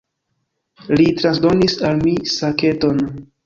Li transdonis al mi saketon.